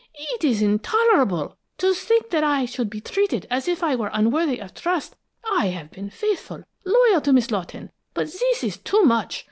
It is intolerable! To think that I should be treated as if I were unworthy of trust. I have been faithful, loyal to Miss Lawton, but this is too much!